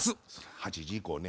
８時以降ね